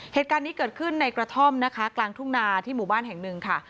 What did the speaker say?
เหตุการณ์นี้เกิดขึ้นในกระท่อมนะคะกลางทุ่งนาที่หมู่บ้านแห่งหนึ่งค่ะ